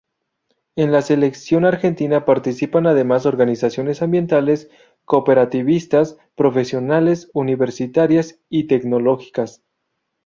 En la sección Argentina participan además organizaciones ambientales, cooperativistas, profesionales, universitarias y tecnológicas.